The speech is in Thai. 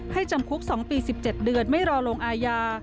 จำคุก๒ปี๑๗เดือนไม่รอลงอาญา